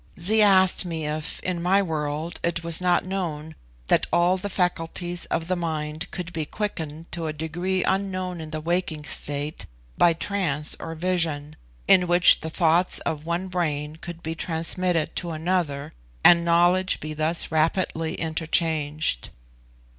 Zee asked me if, in my world, it was not known that all the faculties of the mind could be quickened to a degree unknown in the waking state, by trance or vision, in which the thoughts of one brain could be transmitted to another, and knowledge be thus rapidly interchanged.